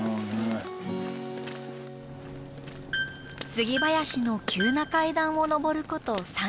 杉林の急な階段を登ること３０分。